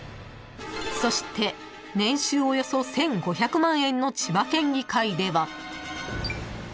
［そして年収およそ１，５００万円の千葉県議会では］